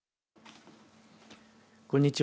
こんにちは。